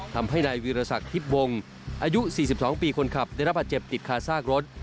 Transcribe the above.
ทำให้นายวีรศักดิ์ทิพย์วงอายุ๔๒ปีคนขับได้รับบาดเจ็บติดคาซากรถ